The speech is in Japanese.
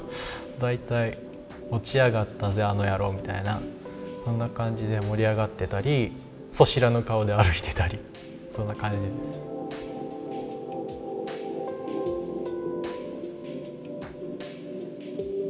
大体落ちやがったぜあのやろうみたいなそんな感じで盛り上がってたり素知らぬ顔で歩いてたりそんな感じです。